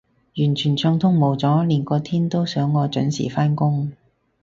完全暢通無阻，連個天都想我準時返工